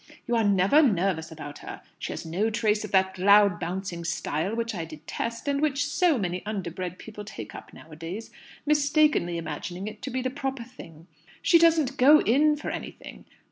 You are never nervous about her. She has no trace of that loud, bouncing style, which I detest, and which so many underbred people take up nowadays, mistakenly imagining it to be the proper thing. She doesn't 'go in' for anything.